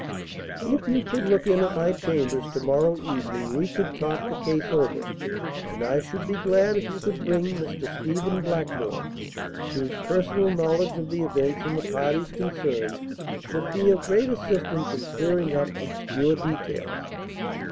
"If you could look in at my chambers to morrow evening we could talk the case over; and I should be glad if you could bring Mr. Stephen Blackmore; whose personal knowledge of the events and the parties concerned would be of great assistance in clearing up obscure details.